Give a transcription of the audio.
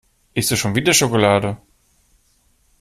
Isst du schon wieder Schokolade?